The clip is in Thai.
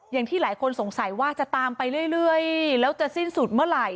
อย่างที่หลายคนสงสัยว่าจะตามไปเรื่อยแล้วจะสิ้นสุดเมื่อไหร่